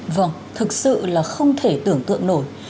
vâng thực sự là không thể tưởng tượng nổi